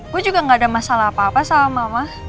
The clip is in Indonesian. gue juga gak ada masalah apa apa sama mama